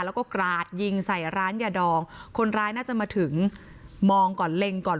แล้วก็กราดยิงใส่ร้านยาดองคนร้ายน่าจะมาถึงมองก่อนเล็งก่อน